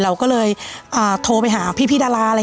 เราก็เลยโทรไปหาพี่ดาราอะไร